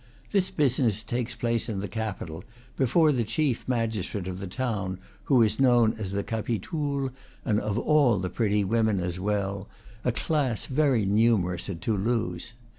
This business takes place in the Capitol, before the chief magistrate of the town, who is known as the capitoul, and of all the pretty women as well, a class very numerous at Toulouse.